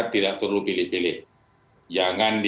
masyarakat harus memilih vaksin yang terbaik